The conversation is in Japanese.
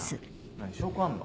何証拠あんの？